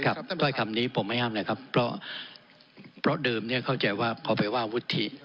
ครับด้วยคำนี้ผมไม่ห้ามนะครับเพราะเดิมเนี่ยเข้าใจว่าพอไปว่าวุฒิ